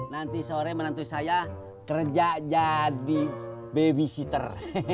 nanti sore menantu saya kerja jadi babysitter